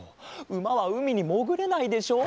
うまはうみにもぐれないでしょ？